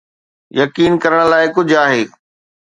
يقين ڪرڻ لاء ڪجهه آهي.